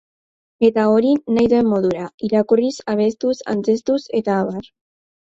Eta, hori, nahi duen modura: irakurriz, abestuz, antzeztuz eta abar.